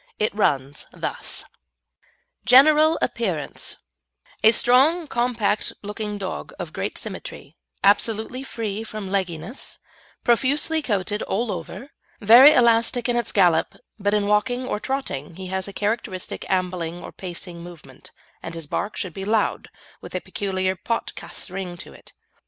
It runs thus: GENERAL APPEARANCE A strong, compact looking dog of great symmetry, absolutely free from legginess, profusely coated all over, very elastic in its gallop, but in walking or trotting he has a characteristic ambling or pacing movement, and his bark should be loud, with a peculiar pot casse ring in it.